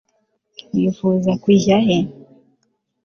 wifuza kujya he